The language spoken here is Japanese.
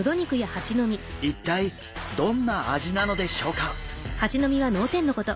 一体どんな味なのでしょうか？